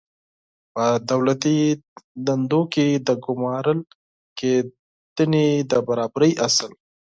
په دولتي دندو کې د ګمارل کېدنې د برابرۍ اصل